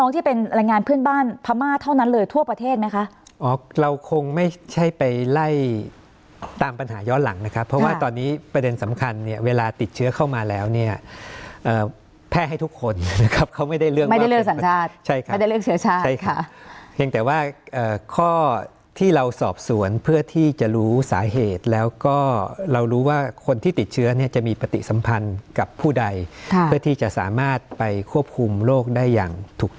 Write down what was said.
ต้านพมมาตรเท่านั้นเลยทั่วประเทศไหมคะเราคงไม่ใช่ไปไล่ตามปัญหาย้อนหลังนะครับเพราะว่าตอนนี้ประเด็นสำคัญเวลาติดเชื้อเข้ามาแล้วเนี่ยแพ้ให้ทุกคนเขาไม่ได้เลือกไม่ได้เลือกสัญชาติไม่ได้เลือกเชื้อชาติค่ะเองแต่ว่าข้อที่เราสอบสวนเพื่อที่จะรู้สาเหตุแล้วก็เรารู้ว่าคนที่ติดเชื้อเนี่ยจะมีปฏิสัมพัน